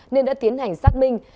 nên đã tiến hành xác minh